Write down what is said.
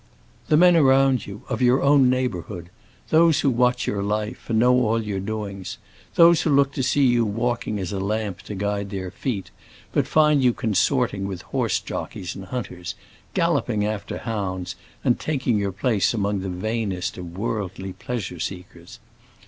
"The men around you, of your own neighbourhood; those who watch your life, and know all your doings; those who look to see you walking as a lamp to guide their feet, but find you consorting with horse jockeys and hunters, galloping after hounds, and taking your place among the vainest of worldly pleasure seekers.